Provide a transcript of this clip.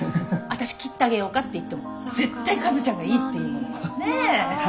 「私切ってあげようか？」って言っても絶対カズちゃんがいいって言うんだからねえ？